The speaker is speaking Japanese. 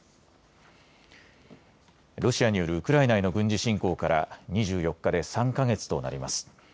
ロシアによるウクライナへの軍事侵攻から２４日で３か月となります。